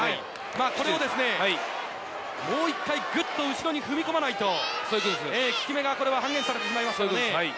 もう１回、ぐっと後ろに踏み込まないと効き目が半減されてしまいます。